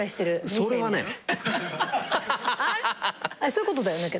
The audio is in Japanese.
そういうことだよね。